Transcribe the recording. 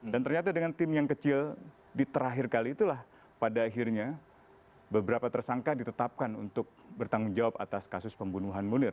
dan ternyata dengan tim yang kecil di terakhir kali itulah pada akhirnya beberapa tersangka ditetapkan untuk bertanggung jawab atas kasus pembunuhan munir